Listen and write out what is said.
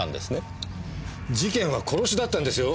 事件は殺しだったんですよ。